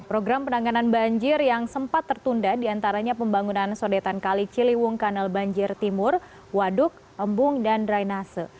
program penanganan banjir yang sempat tertunda diantaranya pembangunan sodetan kali ciliwung kanal banjir timur waduk embung dan drainase